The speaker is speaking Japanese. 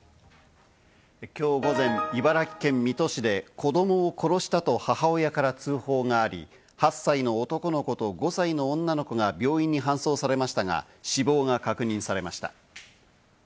きょう午前、茨城県水戸市で子どもを殺したと母親から通報があり、８歳の男の子と５歳の女の子が病院に搬送されましたが、死亡が確認されました。